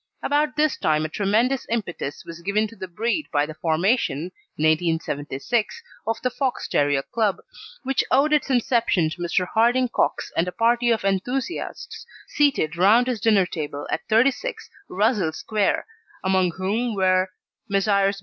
About this time a tremendous impetus was given to the breed by the formation, in 1876, of the Fox terrier Club, which owed its inception to Mr. Harding Cox and a party of enthusiasts seated round his dinner table at 36, Russell Square, among whom were Messrs.